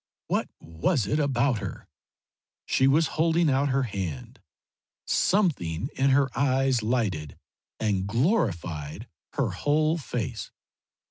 What was it about her ? She was holding out her hand. Something in her eyes lighted and glorified her whole face.